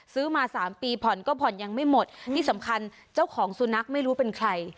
ซื้อมา๓ปีผ่อนก็ผ่อนยังไม่หมดที่สำคัญเจ้าของสุนัขไม่รู้เป็นใคร